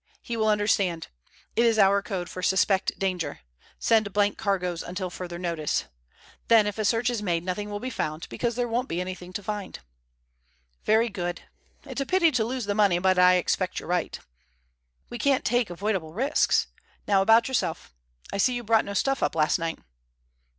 He will understand. It is our code for 'Suspect danger. Send blank cargoes until further notice.' Then if a search is made nothing will be found, because there won't be anything there to find." "Very good. It's a pity to lose the money, but I expect you're right." "We can't take avoidable risks. Now about yourself. I see you brought no stuff up last night?"